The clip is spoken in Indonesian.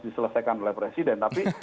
diselesaikan oleh presiden tapi